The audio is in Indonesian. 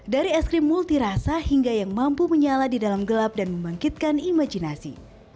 dari es krim multi rasa hingga yang mampu menyala di dalam gelap dan membangkitkan imajinasi